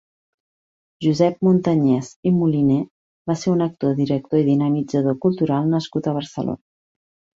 Josep Montanyès i Moliner va ser un actor, director i dinamitzador cultural nascut a Barcelona.